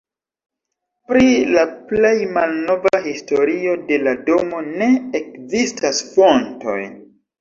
Pri la plej malnova historio de la domo ne ekzistas fontoj.